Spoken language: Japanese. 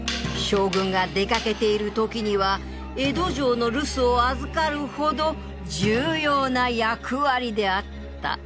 将軍が出かけている時には江戸城の留守を預かるほど重要な役割であった